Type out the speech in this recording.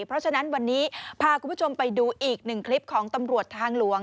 เพราะฉะนั้นวันนี้พาคุณผู้ชมไปดูอีกหนึ่งคลิปของตำรวจทางหลวง